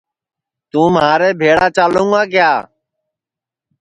توں مھارے بھیݪا چالوں گا کیا